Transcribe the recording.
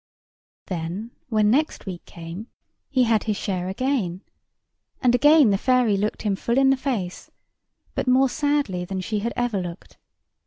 Then, when next week came, he had his share again; and again the fairy looked him full in the face; but more sadly than she had ever looked.